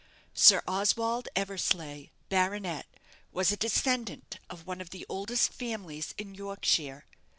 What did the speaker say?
Sir Oswald Eversleigh, Baronet, was a descendant of one of the oldest families in Yorkshire.